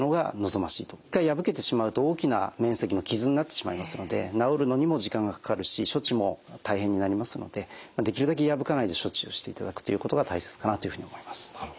一回破けてしまうと大きな面積の傷になってしまいますので治るのにも時間がかかるし処置も大変になりますのでできるだけ破かないで処置をしていただくということが大切かなというふうに思います。